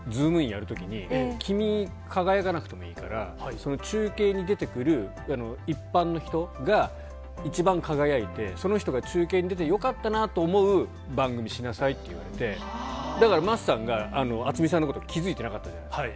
やるときに、君、輝かなくてもいいから、その中継に出てくる一般の人が一番輝いて、その人が中継に出てよかったなと思う番組にしなさいって言われて、だから桝さんが、渥美さんのこと気付いてなかったじゃないですか。